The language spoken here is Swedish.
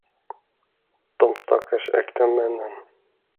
De stackars äkta männen!